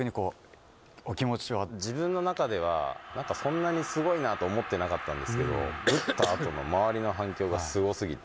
今、自分の中では、なんか、そんなにすごいなと思ってなかったんですけど、打ったあとの周りの反響がすごすぎて。